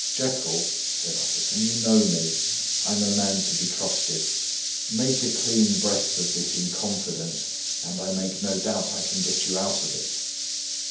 "Jekyll," said Utterson, "you know me: I am a man to be trusted. Make a clean breast of this in confidence; and I make no doubt I can get you out of it."